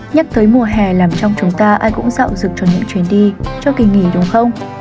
nhắc tới mùa hè làm trong chúng ta ai cũng dạo dực cho những chuyến đi cho kỳ nghỉ đúng không